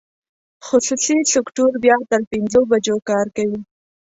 خصوصي سکټور بیا تر پنځو بجو کار کوي.